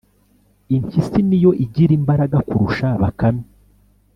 impyisi ni yo igira imbaraga kurusha bakame.